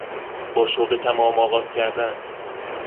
با شوق تمام آغاز کردن